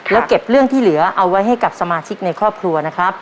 แล้วเก็บเรื่องที่เหลือเอาไว้ให้กับสมาชิกในครอบครัวนะครับ